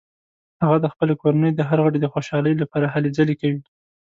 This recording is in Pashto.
هغه د خپلې کورنۍ د هر غړي د خوشحالۍ لپاره هلې ځلې کوي